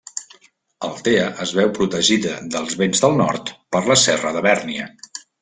Altea es veu protegida dels vents del nord per la serra de Bèrnia.